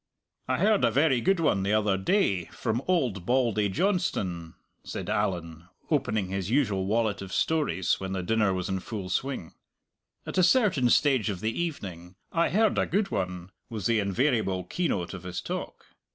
"I heard a very good one the other day from old Bauldy Johnston," said Allan, opening his usual wallet of stories when the dinner was in full swing. At a certain stage of the evening "I heard a good one" was the invariable keynote of his talk.